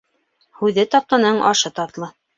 Һүҙе татлының ашы татлы.